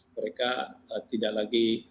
mereka tidak lagi